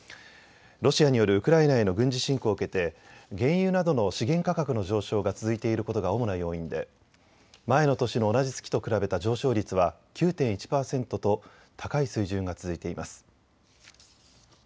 ロシアによるウクライナへの軍事侵攻を受けて原油などの資源価格の上昇が続いていることが主な要因で前の年の同じ月と比べた上昇率は９．１％と高い水準が続いています。